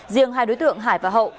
riêng hai đối tượng hải và hậu